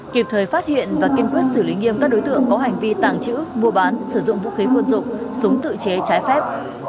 kịp thời phát hiện và kiên quyết xử lý nghiêm các đối tượng có hành vi tàng trữ mua bán sử dụng vũ khí quân dụng súng tự chế trái phép